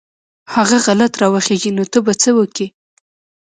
هغه غلط راوخېژي نو ته به څه وکې.